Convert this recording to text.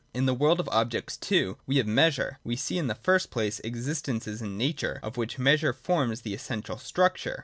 In the world of objects, too, we have measure. We see, in the first place, existences in Nature, of which measure forms the essential structure.